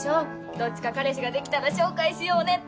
どっちか彼氏ができたら紹介しようねって。